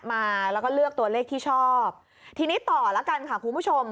มาแล้วก็เลือกตัวเลขที่ชอบทีนี้ต่อแล้วกันค่ะคุณผู้ชม